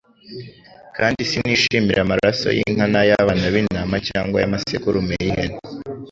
Kandi sinishimira amaraso y'inka n'ay'abana b'intama cyangwa ay'amasekurume y'ihene.